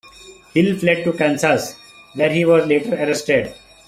Hill fled to Kansas, where he was later arrested.